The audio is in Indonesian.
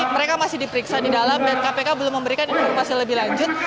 mereka masih diperiksa di dalam dan kpk belum memberikan informasi lebih lanjut